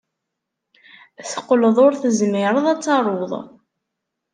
Teqqleḍ ur tezmireḍ ad taruḍ.